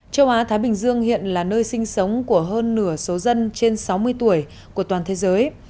châu á thái bình dương hiện là nơi sinh sống của hơn nửa số dân trên sáu mươi tuổi của toàn thế giới